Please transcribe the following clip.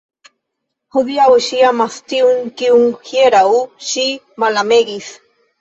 Hodiaŭ ŝi amas tiun, kiun hieraŭ ŝi malamegis!